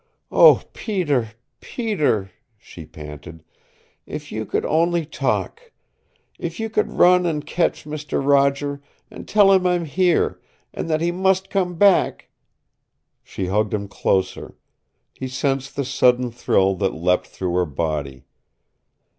"Oh, Peter, Peter," she panted. "If you could only talk! If you could run and catch Mister Roger, an' tell him I'm here, an' that he must come back " She hugged him closer. He sensed the sudden thrill that leapt through her body.